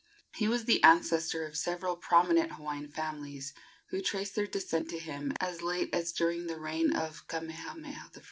He was the ancestor of several prominent Hawaiian families, who traced their descent to him as late as during the reign of Kamehameha I.